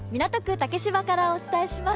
竹芝からお伝えします。